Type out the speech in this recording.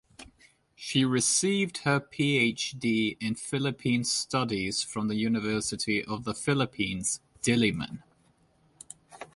She received her PhD in Philippine Studies from the University of the Philippines Diliman.